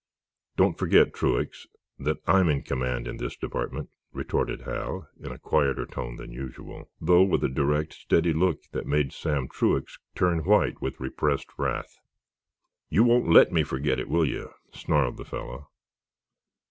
"Don't forget, Truax, that I'm in command in this department," retorted Hal, in a quieter tone than usual, though with a direct, steady look that made Sam Truax turn white with repressed wrath. "You won't let me forget it, will you?" snarled the fellow.